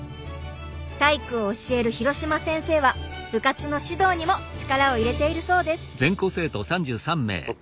体育を教える廣島先生は部活の指導にも力を入れているそうです。